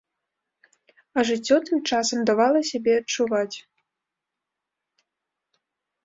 А жыццё тым часам давала сябе адчуваць.